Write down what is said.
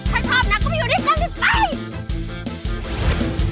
ใครชอบนักก็มาอยู่ด้วยกันดีใส